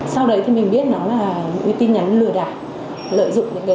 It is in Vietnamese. sau đấy thì mình biết là tin nhắn lừa đảo